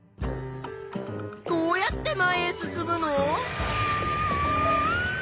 どうやって前へ進むの？